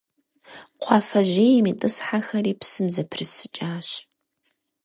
Кхъуафэжьейм итӏысхьэхэри псым зэпрысыкӏащ.